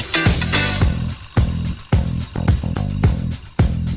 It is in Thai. ต่อมากหาวันนี้ก็จะมีเท่าวะ